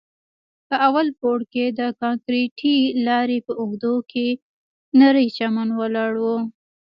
په اول پوړ کښې د کانکريټي لارې په اوږدو کښې نرى چمن ولاړ و.